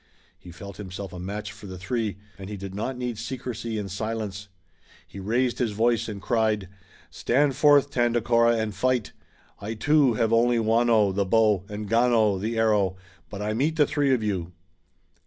He felt himself a match for the three, and he did not need secrecy and silence. He raised his voice and cried: "Stand forth, Tandakora, and fight. I too have only waano (the bow) and gano (the arrow), but I meet the three of you!"